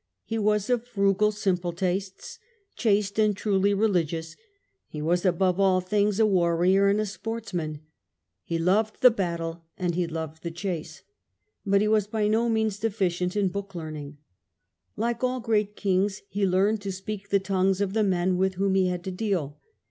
He was of frugal, simple tastes, chaste, and truly religious. He was above all things a warrior and a sportsman. He loved the battle, and he ^*««««•• loved the chase. But he was by no means deficient in book learning. Like all great kings he learned to speak the tongues of the men with whom he had to deal.